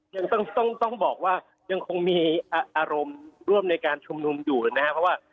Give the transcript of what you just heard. ยังต้องบอกว่ายังคงมีอารมณ์ร่วมในการชุมนุมอยู่นะครับเพราะว่า